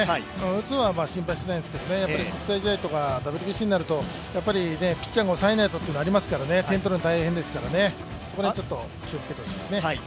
打つ方は心配してないんですけど国際試合とかＷＢＣになるとピッチャーもさえないとというのもありますから点を取るのが大変ですから、気をつけてほしいですね。